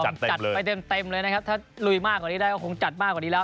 ผมจัดไปเต็มเลยนะครับถ้าลุยมากกว่านี้ได้ก็คงจัดมากกว่านี้แล้ว